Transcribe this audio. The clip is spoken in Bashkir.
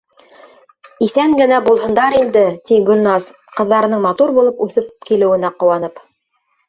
— Иҫән генә булһындар инде, — ти Гөлназ, ҡыҙҙарының матур булып үҫеп килеүенә ҡыуанып.